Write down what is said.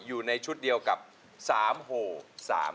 อยู่ในชุดเดียวกับ๓โห๓ช่า